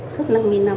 suốt năm mươi năm